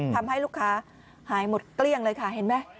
ทำให้ลูกค้าหายหมดเกลี้ยงเลยค่ะเห็นไหม